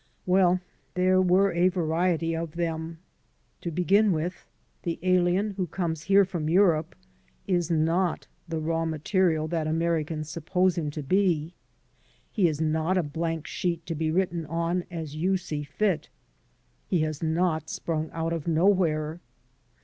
Well, there were a variety of them : To begin with, the aliien who comes here from Europe is not the raw material that Americans sup pose him to be. He is not a blank sheet to be written on as you see fit. He has not sprung out of nowhere.